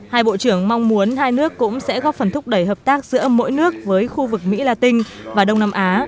hai bộ trưởng mong muốn hai nước cũng sẽ góp phần thúc đẩy hợp tác giữa mỗi nước với khu vực mỹ la tinh và đông nam á